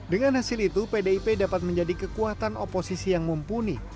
dengan hasil itu pdip dapat menjadi kekuatan oposisi yang mumpuni